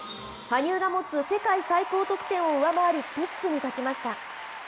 羽生が持つ世界最高得点を上回り、トップに立ちました。